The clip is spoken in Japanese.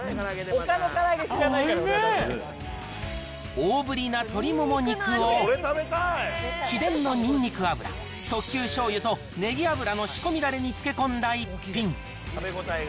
大ぶりな鶏もも肉を、秘伝のにんにく油、特級しょうゆとネギ脂の仕込みだれに漬け込んだ一品。